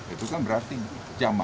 itu kan berarti jamak